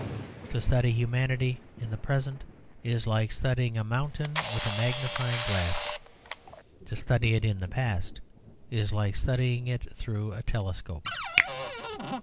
To study humanity in the present is like studying a mountain with a magnifying glass; to study it in the past is like studying it through a telescope.